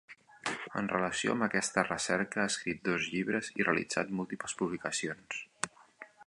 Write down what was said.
En relació amb aquesta recerca ha escrit dos llibres i realitzat múltiples publicacions.